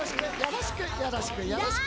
よろしく、よろしく。